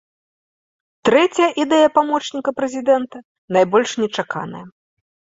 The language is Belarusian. Трэцяя ідэя памочніка прэзідэнта найбольш нечаканая.